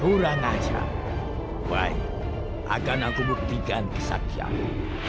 kurang aja baik akan aku buktikan kesakianmu